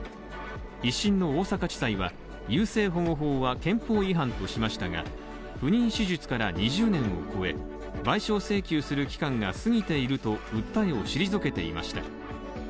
１審の大阪地裁は、優生保護法は憲法違反としましたが、不妊手術から２０年を超え、賠償請求する期間が過ぎていると訴えを退けていました